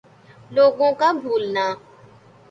لوگوں کا بھولنا